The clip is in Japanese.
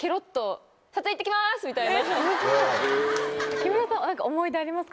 木村さんは何か思い出ありますか？